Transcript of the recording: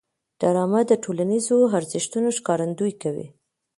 ډرامه د ټولنیزو ارزښتونو ښکارندويي کوي